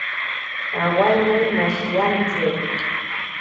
Pawaine mashiriantsi.